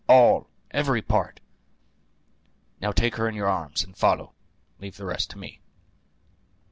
All, every part. Now take her in your arms, and follow. Leave the rest to me."